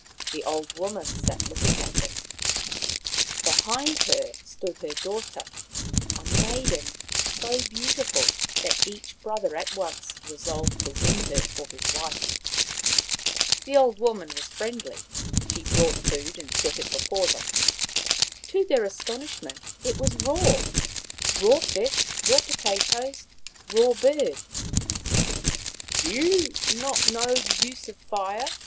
The old woman sat looking at them. Be hind her stood her daughter, a maiden so beau tiful that each brother at once resolved to win her for his wife. The old woman was friendly. She brought food and set it before them. To their astonish ment, it was raw — raw fish, raw potatoes, raw The Island and the Taniwha 17* bird. " Do you not know the use of fire